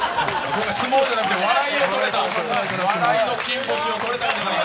相撲じゃなくて笑いを取れた、笑いの金星を取れたと。